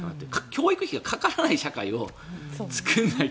教育費がかからない社会を作らないと。